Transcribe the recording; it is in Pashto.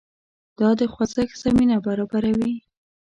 دا د خوځښت زمینه برابروي.